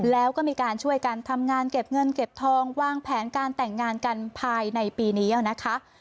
แล้วก็มีการช่วยกันทำงานเก็บเงินเก็บทองวางแผนการแต่งงานกันภายในปีนี้นะคะ